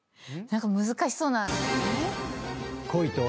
何か難しそうな。